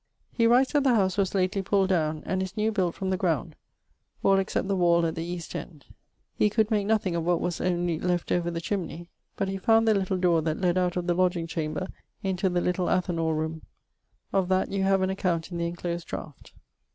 He writes that the house was lately pulled down, and is new built from the ground, all except the wall at the east end. He could make nothing of what was only left over the chimney; but he found the little dore that led out of the lodging chamber into the little Athanor roome. Of that you have an account in the enclosed draught.